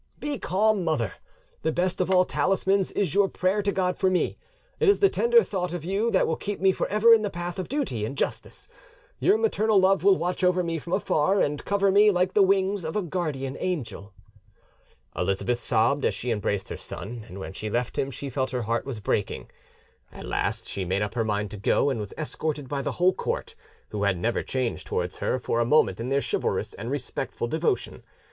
"Be calm, mother: the best of all talismans is your prayer to God for me: it is the tender thought of you that will keep me for ever in the path of duty and justice; your maternal love will watch over me from afar, and cover me like the wings of a guardian angel." Elizabeth sobbed as she embraced her son, and when she left him she felt her heart was breaking. At last she made up her mind to go, and was escorted by the whole court, who had never changed towards her for a moment in their chivalrous and respectful devotion.